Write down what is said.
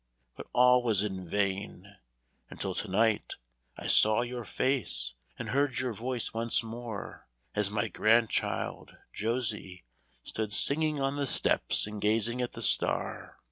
But all was in vain, until to night I saw your face and heard your voice once more, as my grandchild, Josie, stood singing on the steps and gazing at the star.